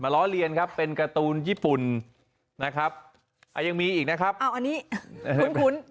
ล้อเลียนครับเป็นการ์ตูนญี่ปุ่นนะครับยังมีอีกนะครับอ้าวอันนี้คุ้น